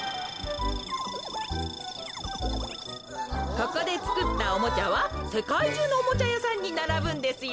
ここでつくったおもちゃはせかいじゅうのおもちゃやさんにならぶんですよ。